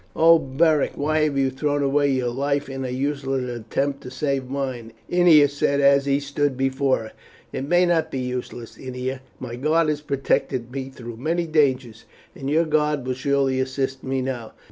"Oh, Beric, why have you thrown away your life in a useless attempt to save mine?" Ennia said as he stood before her. "It may not be useless, Ennia. My god has protected me through many dangers, and your God will surely assist me now.